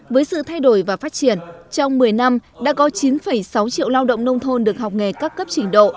với sự thay đổi và phát triển trong một mươi năm đã có chín sáu triệu lao động nông thôn được học nghề các cấp trình độ